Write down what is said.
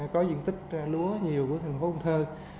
có diện tích lúa nhiều của thành phố cần thơ